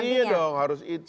iya dong harus itu